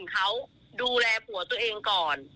เขาดูแลผัวตัวเองก่อน